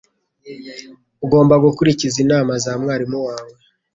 Ugomba gukurikiza inama za mwarimu wawe.